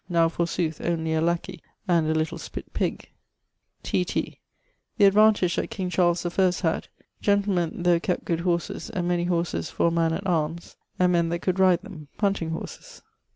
Now forsooth only a laquey and a little spitt pig. T. T. The advantage that king Charles I had: gentlemen tho kept good horses, and many horses for a man at armes, and men that could ride them; hunting horses.